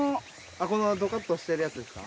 このドカッとしてるやつですか？